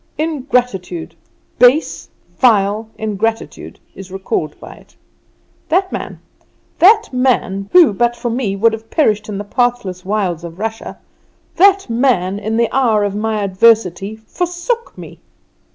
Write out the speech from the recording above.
"Ingratitude base, vile ingratitude is recalled by it! That man, that man, who but for me would have perished in the pathless wilds of Russia, that man in the hour of my adversity forsook me."